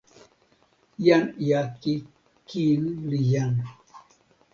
jan jaki kin li jan.